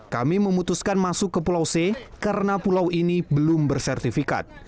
kami memutuskan masuk ke pulau c karena pulau ini belum bersertifikat